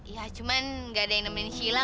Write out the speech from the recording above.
ya cuman gak ada yang nemenin shila